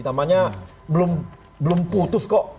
namanya belum putus kok